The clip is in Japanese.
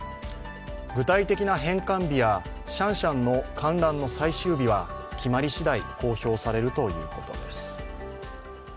具体的な返還日やシャンシャンの観覧の最終日は決まりしだい公表されるということです。